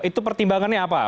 itu pertimbangannya apa